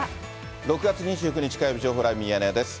６月２９日火曜日、情報ライブミヤネ屋です。